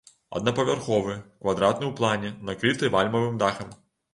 Аднапавярховы, квадратны ў плане, накрыты вальмавым дахам.